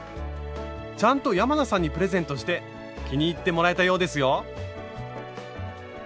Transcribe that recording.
ちゃんと山名さんにプレゼントして気に入ってもらえたようですよ。